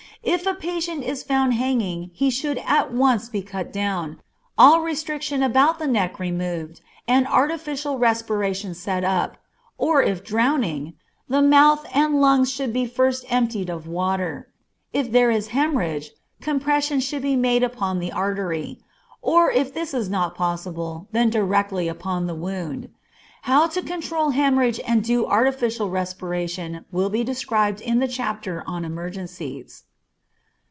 If a patient is found hanging he should at once be cut down, all restriction about the neck removed and artificial respiration set up, or if drowning, the mouth and lungs should be first emptied of water; if there is hemorrhage compression should be made upon the artery, or if this is not possible, then directly upon the wound. How to control hemorrhage and do artificial respiration will be described in the chapter on emergencies.